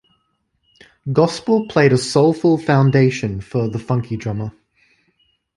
Gospel played a soulful foundation for "The Funky Drummer".